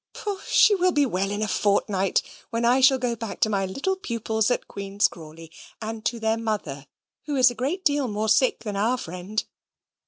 "Pooh she will be well in a fortnight, when I shall go back to my little pupils at Queen's Crawley, and to their mother, who is a great deal more sick than our friend.